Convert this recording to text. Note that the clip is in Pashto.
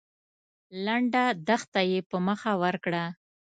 لنډه دښته يې په مخه ورکړه.